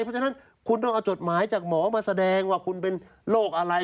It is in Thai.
เพราะฉะนั้นคุณต้องเอาจดหมายจากหมอมาแสดงว่าคุณเป็นโรคอะไร